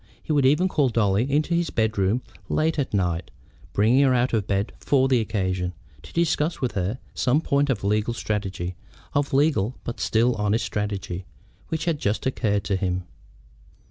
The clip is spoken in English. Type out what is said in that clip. He would even call Dolly into his bedroom late at night, bringing her out of bed for the occasion, to discuss with her some point of legal strategy, of legal but still honest strategy, which had just occurred to him.